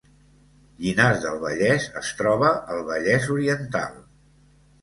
Llinars del Vallès es troba al Vallès Oriental